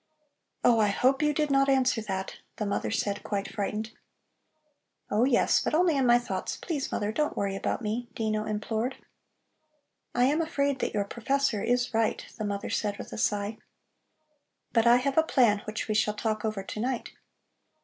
'" "Oh, I hope you did not answer that," the mother said, quite frightened. "Oh yes, but only in my thoughts! Please, mother, don't worry about me," Dino implored. "I am afraid that your professor is right," the mother said with a sigh. "But I have a plan which we shall talk over to night.